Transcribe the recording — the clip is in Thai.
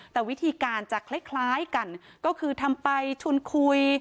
แต่วิธีการจะคล้ายกันก็คือทำไปชวนคุย